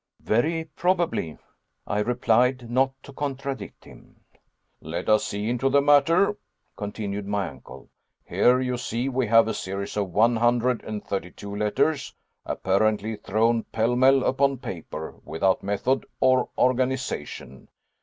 "Very probably," I replied, not to contradict him. "Let us see into the matter," continued my uncle; "here you see we have a series of one hundred and thirty two letters, apparently thrown pell mell upon paper, without method or organization.